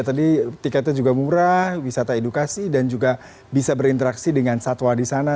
tadi tiketnya juga murah wisata edukasi dan juga bisa berinteraksi dengan satwa di sana